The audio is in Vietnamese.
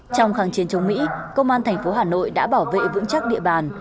trong kháng chiến chống mỹ công an thành phố hà nội đã bảo vệ vững chắc địa bàn